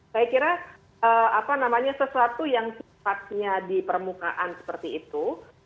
saya kira sesuatu yang sifatnya di permukaan seperti itu